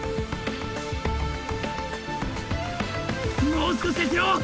もう少しですよ。